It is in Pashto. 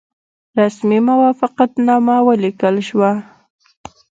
رسمي موافقتنامه ولیکل شوه.